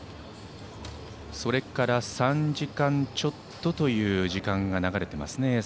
それから３時間ちょっとという時間が流れてますね。